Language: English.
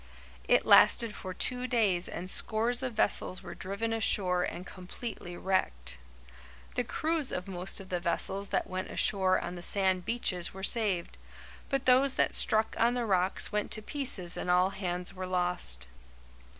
It lasted for two days and scores of vessels were driven ashore and completely wrecked. The crews of most of the vessels that went ashore on the sand beaches were saved, but those that struck on the rocks went to pieces and all hands were lost.